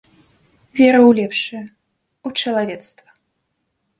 Веру ў лепшае, у чалавецтва.